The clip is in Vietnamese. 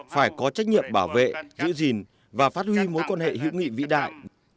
phải có trách nhiệm bảo vệ giữ gìn và phát huy mối quan hệ hữu nghị vĩ đại